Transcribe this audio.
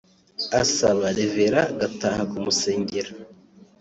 asaba Rev Gataha kumusengera